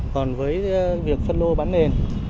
còn với việc phân lô bán nền